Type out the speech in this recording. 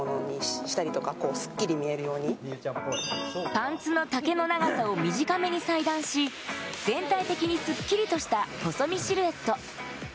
パンツの丈の長さを短めに裁断し、全体的にスッキリとした細身シルエット。